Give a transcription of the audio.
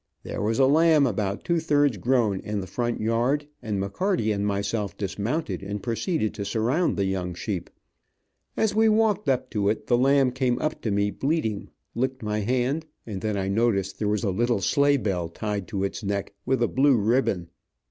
There was a lamb about two thirds grown, in the front yard, and McCarty and myself dismounted and proceeded to surround the young sheep. As we walked up to it, the lamb came up to me bleating, licked my hand, and then I noticed there was a little sleigh bell tied to its neck with a blue ribbon.